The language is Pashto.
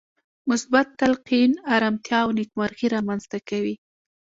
مثبت تلقين ارامتيا او نېکمرغي رامنځته کوي.